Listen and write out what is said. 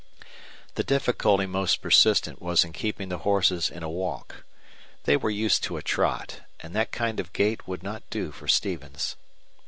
The difficulty most persistent was in keeping the horses in a walk. They were used to a trot, and that kind of gait would not do for Stevens.